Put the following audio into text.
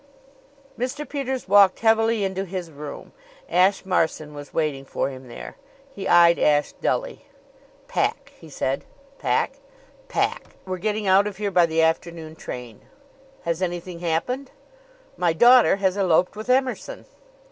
Mr. Peters walked heavily into his room. Ashe Marson was waiting for him there. He eyed Ashe dully. "Pack!" he said. "Pack?" "Pack! We're getting out of here by the afternoon train." "Has anything happened?" "My daughter has eloped with Emerson."